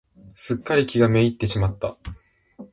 すっかり気が滅入ってしまった。